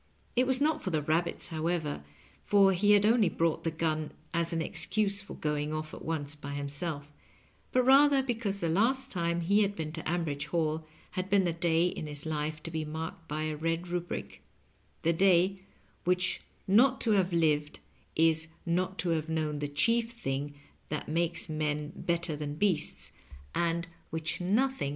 It was not for the rabbits, how ever, for he had only brought the gun as an excuse for going off at once by himself, but rather because the last time he had been to Ambridge Hall had been the day in his life to be marked by a red rubric— the day which not to have lived is not to have known the chief thing that makes men better than beasts, and which nothing, Digitized by VjOOQIC LOVE AND LIGHimNG.